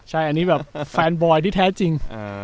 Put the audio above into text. ใช่อันนี้แบบแฟนบอยที่แท้จริง